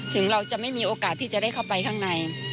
ถึงเราจะไม่มีโอกาสที่จะได้เข้าไปข้างใน